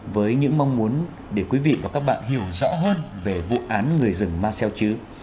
với những mong muốn để quý vị và các bạn hiểu rõ hơn về vụ án người rừng ma xeo chứ